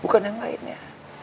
bukan yang lainnya